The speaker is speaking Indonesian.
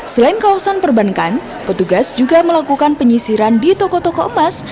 selain kawasan perbankan petugas juga melakukan penyisiran di toko toko emas